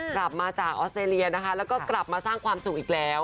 กลับมาจากออสเตรเลียนะคะแล้วก็กลับมาสร้างความสุขอีกแล้ว